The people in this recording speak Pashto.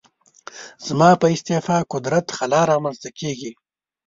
زما په استعفا قدرت خلا رامنځته کېږي.